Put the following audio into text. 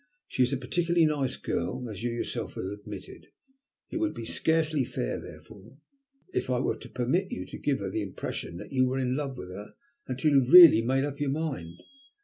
She is a particularly nice girl, as you yourself have admitted. It would be scarcely fair, therefore, if I were to permit you to give her the impression that you were in love with her until you have really made up your mind.